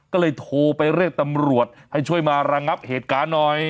ก็เลยโทรไปเรียกตำรวจให้ช่วยมาระงับเหตุการณ์หน่อย